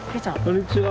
こんにちは。